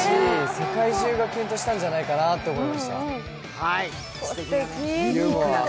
世界中がキュンとしたんじゃないかと思いました。